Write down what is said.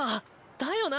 だよな。